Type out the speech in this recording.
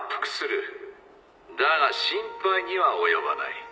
だが心配には及ばない。